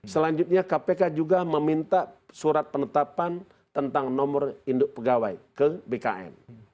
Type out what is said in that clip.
selanjutnya kpk juga meminta surat penetapan tentang nomor induk pegawai ke bkn